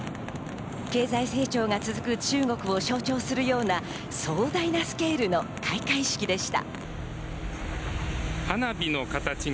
経済成長が続く中国を象徴するような壮大なスケールの開会式でした。